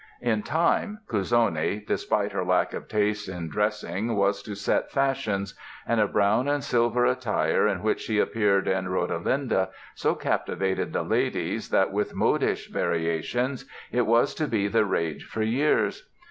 In time Cuzzoni despite her lack of taste in dressing was to set fashions; and a brown and silver attire in which she appeared in "Rodelinda" so captivated the ladies that, with modish variations, it was to be the rage for years.